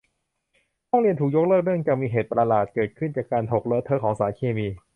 ห้องเรียนถูกยกเลิกเนื่องจากมีเหตุประหลาดเกิดขึ้นจากการหกเลอะเทอะของสารเคมี